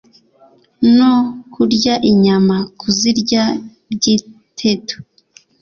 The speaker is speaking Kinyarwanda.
no kurya inyama kuzirya byitetu